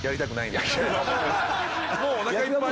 もうおなかいっぱい？